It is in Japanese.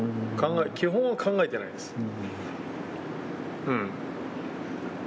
考え、基本は考えてないです。